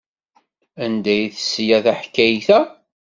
Anda ay tesla taḥkayt-a?